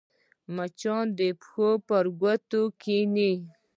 مچان د پښو پر ګوتو کښېني